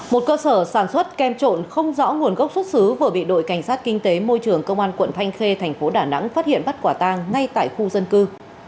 một cơ sở sản xuất kem trộn không rõ nguồn gốc xuất xứ vừa bị đội cảnh sát kinh tế môi trường công an quận thanh khê thành phố đà nẵng phát hiện bắt quả tang ngay tại khu dân cư